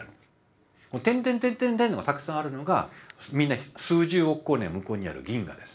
点点点点点とたくさんあるのがみんな数十億光年向こうにある銀河です。